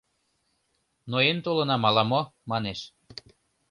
— Ноен толынам ала-мо, — манеш.